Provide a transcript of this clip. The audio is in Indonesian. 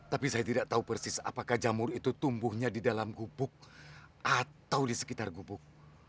tapi saya tidak tahu persis apakah jamur itu tumbuhnya di dalam gubuk atau di sekitar gubuk